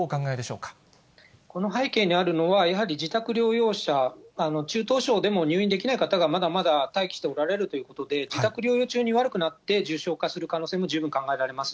この背景にあるのは、やはり自宅療養者、中等症でも入院できない方がまだまだ待機しておられるということで、自宅療養中に悪くなって重症化する可能性も十分考えられます。